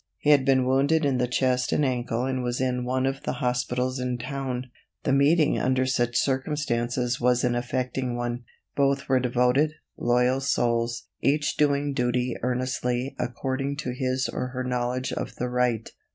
He had been wounded in the chest and ankle and was in one of the hospitals in the town. The meeting under such circumstances was an affecting one. Both were devoted, loyal souls, each doing duty earnestly according to his or her knowledge of the right.